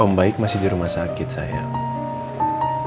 om baik masih di rumah sakit sayang